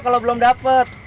kalau belum dapat